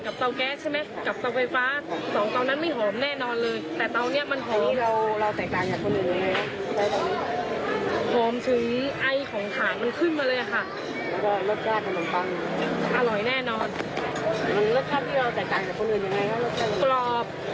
แล้วเท่าที่เราใส่ต่างจากคนอื่นยังไงรสชาติของขนมปัง